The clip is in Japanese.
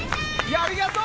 ありがとう！